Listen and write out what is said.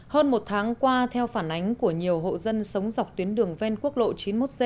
hơn một tháng qua theo phản ánh của nhiều hộ dân sống dọc tuyến đường ven quốc lộ chín mươi một c